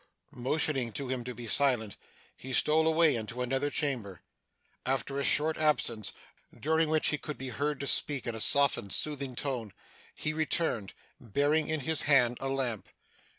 Motioning to him to be silent, he stole away into another chamber. After a short absence (during which he could be heard to speak in a softened soothing tone) he returned, bearing in his hand a lamp.